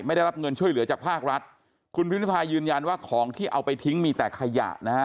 ได้รับเงินช่วยเหลือจากภาครัฐคุณพิพายืนยันว่าของที่เอาไปทิ้งมีแต่ขยะนะฮะ